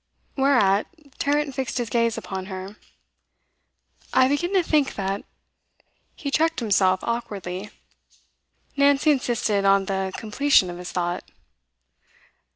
Whereat, Tarrant fixed his gaze upon her. 'I begin to think that ' He checked himself awkwardly. Nancy insisted on the completion of his thought.